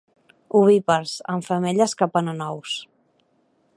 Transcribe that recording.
Ovípars, amb femelles que ponen ous.